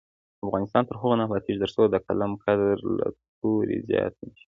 افغانستان تر هغو نه ابادیږي، ترڅو د قلم قدر له تورې زیات نه شي.